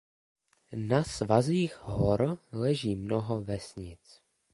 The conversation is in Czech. Na svazích hor leží mnoho vesnic.